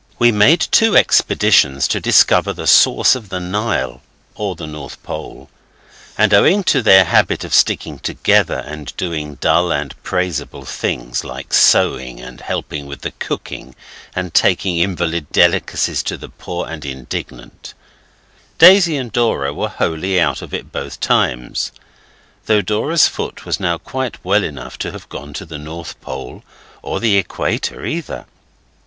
We made two expeditions to discover the source of the Nile (or the North Pole), and owing to their habit of sticking together and doing dull and praiseable things, like sewing, and helping with the cooking, and taking invalid delicacies to the poor and indignant, Daisy and Dora were wholly out of it both times, though Dora's foot was now quite well enough to have gone to the North Pole or the Equator either.